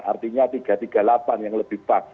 artinya tiga ratus tiga puluh delapan yang lebih pas